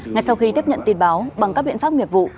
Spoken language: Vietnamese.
ngay sau khi tiếp nhận tin báo bằng các biện pháp nghiệp vụ